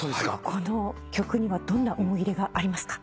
この曲にはどんな思い入れがありますか？